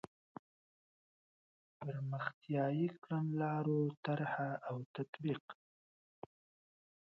پرمختیایي کړنلارو طرح او تطبیق.